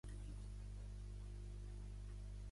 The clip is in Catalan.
L'estació principal de la ciutat és l'estació d'Hida-Furukawa.